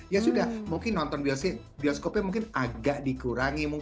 ya sudah mungkin nonton bioskopnya mungkin agak dikurangi